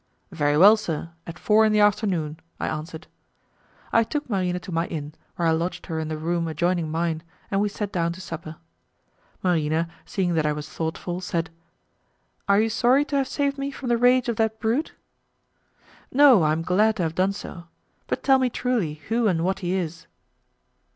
"Very well, sir, at four in the afternoon," I answered. I took Marina to my inn, where I lodged her in the room adjoining mine, and we sat down to supper. Marina, seeing that I was thoughtful, said, "Are you sorry to have saved me from the rage of that brute?" "No, I am glad to have done so, but tell me truly who and what he is."